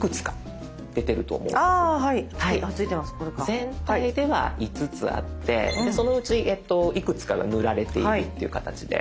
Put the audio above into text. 全体では５つあってそのうちいくつかが塗られているっていう形で。